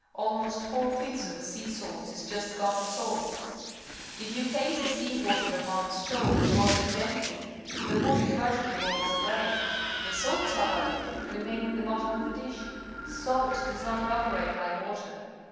Almost four fifths of the sea salts is just common salt. If you place the sea water upon the stove and boil it gently, the water gradually boils away. The salts, however, remain in the bottom of the dish. Salt does not evaporate like water.